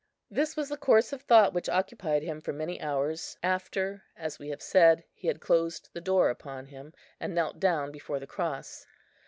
This was the course of thought which occupied him for many hours, after (as we have said) he had closed the door upon him, and knelt down before the cross.